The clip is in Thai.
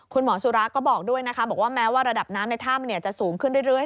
คุณหมอสุราก็บอกด้วยนะคะบอกว่าแม้ว่าระดับน้ำในถ้ำจะสูงขึ้นเรื่อย